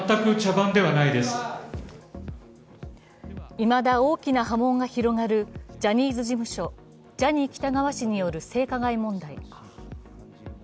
いまだ大きな波紋が広がるジャニーズ事務所、ジャニー喜多川氏による性加害問題。